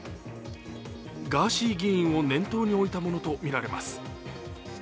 ガーシー議員を念頭に置いたものとみられます。